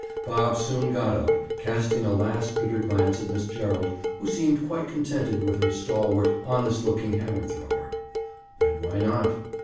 Bob soon got up, casting a last bitter glance at Miss Gerald who seemed quite contented with her stalwart, honest looking hammer thrower. And why not?